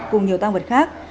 cùng nhiều tăng vật khác